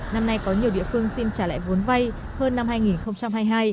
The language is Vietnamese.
năm nay có nhiều địa phương xin trả lại vốn vay hơn năm hai nghìn hai mươi hai